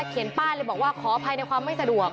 ป้ายเลยบอกว่าขออภัยในความไม่สะดวก